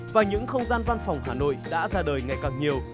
và những không gian văn phòng hà nội đã ra đời ngày càng nhiều